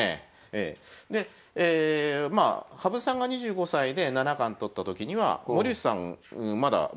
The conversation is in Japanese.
でまあ羽生さんが２５歳で７冠取った時には森内さんまだ無冠で。